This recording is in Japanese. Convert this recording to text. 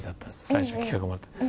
最初企画もらった時。